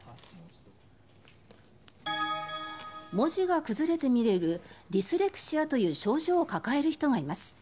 文字が崩れて見えるディスレクシアという症状を抱える人がいます。